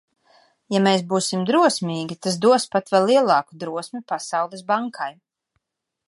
Ja mēs būsim drosmīgi, tas dos pat vēl lielāku drosmi Pasaules Bankai.